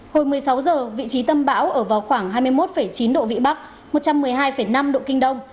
hồi một mươi sáu h vị trí tâm bão ở vào khoảng hai mươi một chín độ vĩ bắc một trăm một mươi hai năm độ kinh đông